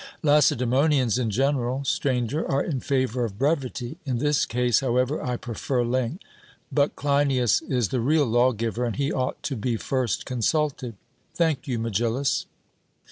'Lacedaemonians in general, Stranger, are in favour of brevity; in this case, however, I prefer length. But Cleinias is the real lawgiver, and he ought to be first consulted.' 'Thank you, Megillus.'